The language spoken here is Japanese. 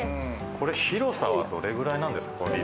広さはどれくらいなんですか？